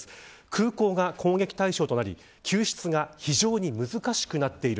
空港が攻撃対象となり、救出が非常に難しくなっている。